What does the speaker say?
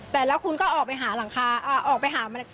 แต่แล้วคุณก็ออกไปหากระดัยค่ะ